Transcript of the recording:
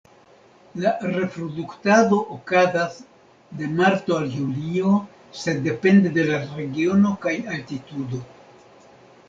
La reproduktado okazas de marto al julio, sed depende de la regiono kaj altitudo.